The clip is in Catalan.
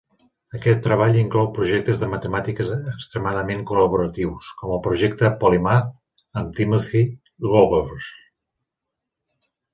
Aquest treball inclou projectes "de matemàtiques extremadament col·laboratius" com el projecte Polymath amb Timothy Gowers.